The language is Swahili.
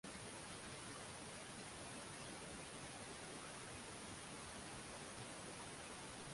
Mamlaka za Miji zilirejeshewa madaraka mwaka elfu moja mia tisa sabini na nane